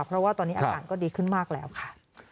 เพราะว่าตอนนี้อาการก็ดีขึ้นมากแล้วค่ะ